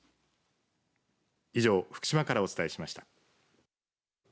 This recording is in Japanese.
以上、福島からお伝えしました。